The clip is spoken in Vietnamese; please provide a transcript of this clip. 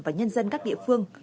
và nhân dân các địa phương